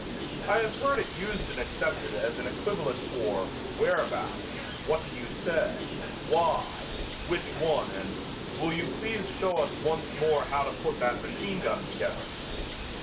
I have heard it used and accepted as an equivalent for "whereabouts," "what did you say," "why," "which one" and "will you please show us once more how to put that machine gun together."